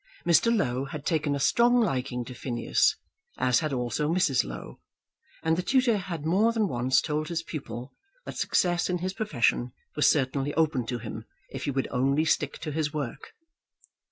Mr. Low had taken a strong liking to Phineas, as had also Mrs. Low, and the tutor had more than once told his pupil that success in his profession was certainly open to him if he would only stick to his work.